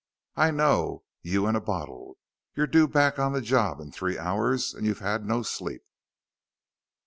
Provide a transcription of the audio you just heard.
"I know. You and a bottle. You're due back on the job in three hours, and you've had no sleep."